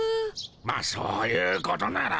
まっそういうことなら。